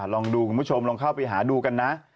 ลองดูคุณผู้ชมลองเข้าไปหาดูกันนะ